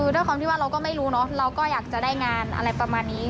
ด้วยความที่ว่าเราก็ไม่รู้เนอะเราก็อยากจะได้งานอะไรประมาณนี้